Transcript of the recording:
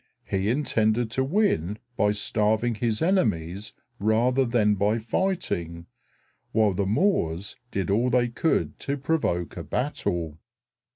He intended to win by starving his enemies rather than by fighting, while the Moors did all they could to provoke a battle.